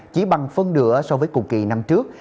chỉ bằng phân nửa so với cùng kỳ năm trước